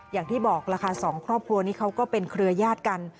อย่างที่บอกล่ะค่ะสองครอบครัวนี้เขาก็เป็นเครือยาศกัน